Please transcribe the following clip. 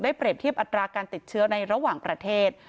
เปรียบเทียบอัตราการติดเชื้อในระหว่างประเทศ